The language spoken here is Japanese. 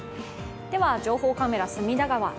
情報カメラ、隅田川。